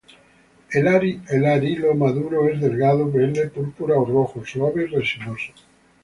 El arilo maduro es delgado, verde, púrpura o rojo, suave y resinoso.